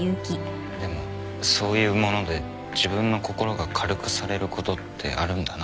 でもそういうもので自分の心が軽くされることってあるんだなって